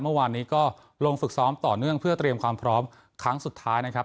เมื่อวานนี้ก็ลงฝึกซ้อมต่อเนื่องเพื่อเตรียมความพร้อมครั้งสุดท้ายนะครับ